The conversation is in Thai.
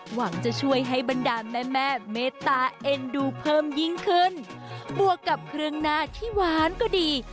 หวังจะช่วยให้บรรดาลแม่แม่เมตตาเอ็นดูเพิ่มยิ่งขึ้นบวกกับเครื่องหน้าที่หวานก็ดี